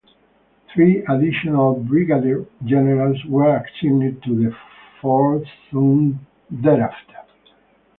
Three additional brigadier generals were assigned to the fort soon thereafter.